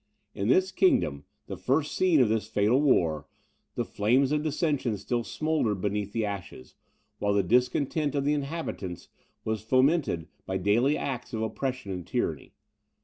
In this kingdom, the first scene of this fatal war, the flames of dissension still smouldered beneath the ashes, while the discontent of the inhabitants was fomented by daily acts of oppression and tyranny.